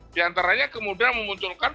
diantaranya kemudian memunculkan